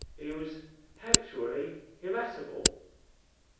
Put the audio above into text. —"He was hactually hirascible!"